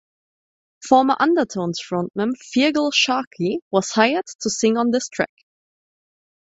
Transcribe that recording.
Former Undertones frontman Feargal Sharkey was hired to sing on this track.